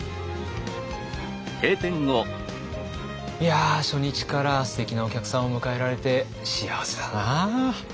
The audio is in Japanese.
いや初日からすてきなお客さんを迎えられて幸せだな。